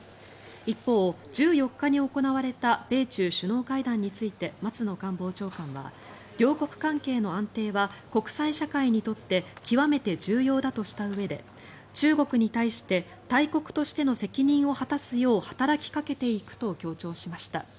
一方、１４日に行われた米中首脳会談について松野官房長官は両国関係の安定は国際社会にとって極めて重要だとしたうえで中国に対して大国としての責任を果たすよう働きかけていくと強調しました。